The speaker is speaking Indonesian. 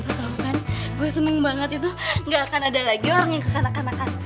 lo tau kan gue seneng banget itu gak akan ada lagi orang yang kekanakan kanakan